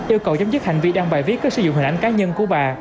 yêu cầu chấm dứt hành vi đăng bài viết có sử dụng hình ảnh cá nhân của bà